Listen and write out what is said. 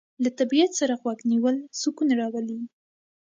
له طبیعت سره غوږ نیول سکون راولي.